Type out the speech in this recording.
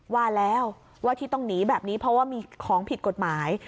ว่าแล้วว่าที่ต้องหนีแบบนี้เพราะว่ามีของผิดกฎหมาย